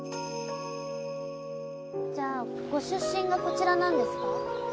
じゃあご出身がこちらなんですか？